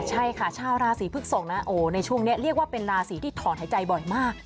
ใช่ค่ะชาวราศีพฤกษกนะโอ้ในช่วงนี้เรียกว่าเป็นราศีที่ถอนหายใจบ่อยมาก